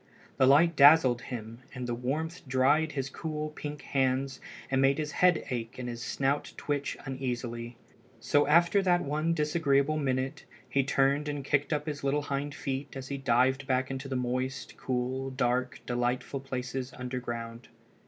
The light dazzled him, and the warmth dried his cool, pink hands and made his head ache and his snout twitch uneasily. So after that one disagreeable minute he turned and kicked up his little hind feet as he dived back into the moist, cool, dark, delightful places underground.